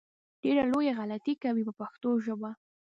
ډېره لویه غلطي کوي په پښتو ژبه.